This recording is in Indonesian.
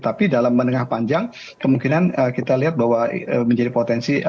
tapi dalam menengah panjang kemungkinan kita lihat bahwa menjadi potensi